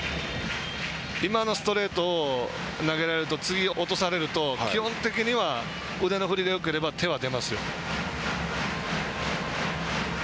今のストレートを投げられると次、落とされると基本的には腕の振りがよければ手は出ますよ。